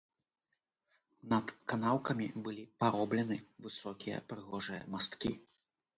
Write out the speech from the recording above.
Над канаўкамі былі пароблены высокія прыгожыя масткі.